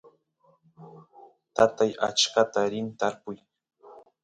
tatay achkata rin tarpuy